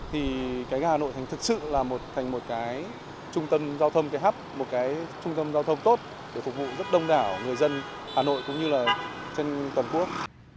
thì cái ga hà nội thành thực sự là một cái trung tâm giao thông hấp một cái trung tâm giao thông tốt để phục vụ rất đông đảo người dân hà nội cũng như là trên toàn quốc